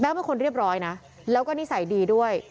เป็นคนเรียบร้อยนะแล้วก็นิสัยดีด้วย